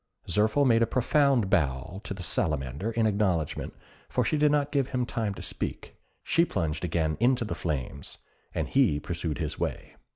Zirphil made a profound bow to the Salamander in acknowledgment, for she did not give him time to speak; she plunged again into the flames, and he pursued his way.